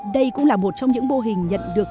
đây cũng là một trong những mô hình nhận được